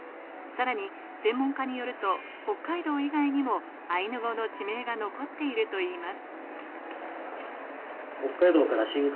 さらに専門家によると、北海道以外にもアイヌ語の地名が残っているといいます。